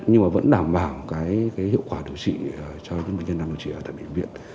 nhưng mà vẫn đảm bảo hiệu quả điều trị cho những bệnh nhân đang điều trị ở tại bệnh viện